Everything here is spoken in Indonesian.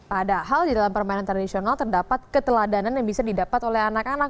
padahal di dalam permainan tradisional terdapat keteladanan yang bisa didapat oleh anak anak